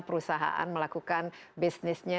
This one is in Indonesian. perusahaan melakukan bisnisnya